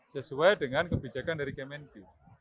sesuai dengan kebijakan dari kmnq